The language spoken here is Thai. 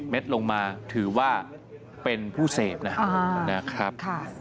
เม็ดลงมาถือว่าเป็นผู้เสพนะครับ